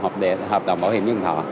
hợp đồng bảo hiểm nhân thọ